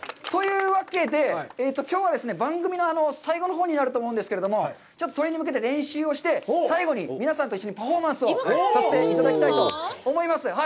というわけで、きょうはですね、番組の最後のほうになると思うんですけれども、ちょっとそれに向けて練習して、最後に皆さんと一緒にパフォーマンスをさせていただきたいと思います。